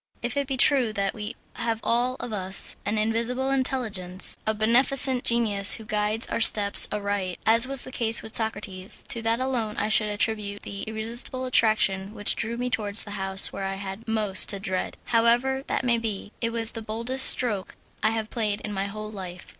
If it be true that we have all of us an invisible intelligence a beneficent genius who guides our steps aright as was the case with Socrates, to that alone I should attribute the irresistible attraction which drew me towards the house where I had most to dread. However that may be, it was the boldest stroke I have played in my whole life.